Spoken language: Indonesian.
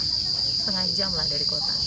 setengah jam lah dari kota